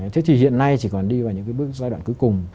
thế thì hiện nay chỉ còn đi vào những cái bước giai đoạn cuối cùng